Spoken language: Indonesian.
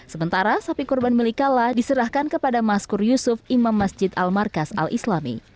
sementara sapi kurban milik kala diserahkan kepada maskur yusuf imam masjid al markas al islami